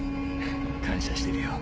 感謝してるよ。